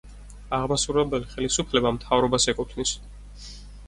აღმასრულებელი ხელისუფლება მთავრობას ეკუთვნის.